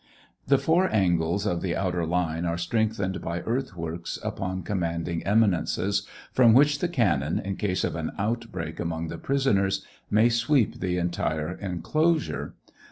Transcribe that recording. The four angles of the outer liue are strengthened by earthworks upon com manding eminences, from which the cannon, in case of an outbreak among the prisoners, may sweep the entire enclosure.